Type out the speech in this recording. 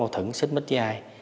tưởng xích mích với ai